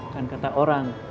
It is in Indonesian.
kan kata orang